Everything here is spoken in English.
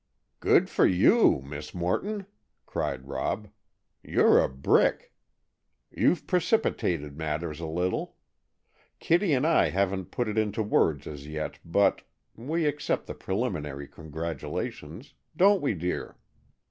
"Good for you! Miss Morton!" cried Rob. "You're a brick! You've precipitated matters a little; Kitty and I haven't put it into words as yet, but—we accept these preliminary congratulations,—don't we, dear?"